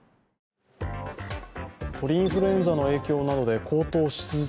鳥インフルエンザの影響などで高騰し続け